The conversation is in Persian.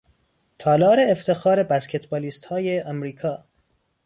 تالار افتخار بسکتبالیستهای امریکا